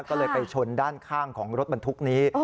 ก็เลยไปชนด้านข้างของรถบรรทุกนี้